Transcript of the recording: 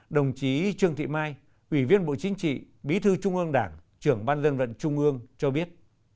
đồng chí trương thị mai ủy viên bộ chính trị bí thư trung ương đảng trưởng ban dân vận trung ương cho biết